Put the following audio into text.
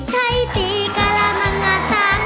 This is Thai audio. ใช้สีกรรามังงาสาม